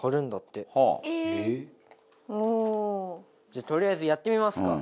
じゃあとりあえずやってみますか。